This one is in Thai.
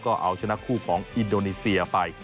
ก็เอาชนะคู่ของอินโดนีเซียไป